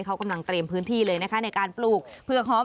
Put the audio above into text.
เขากำลังเตรียมพื้นที่เลยนะคะในการปลูกเผือกหอม